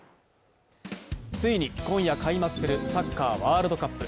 ついに今夜開幕するサッカーワールドカップ。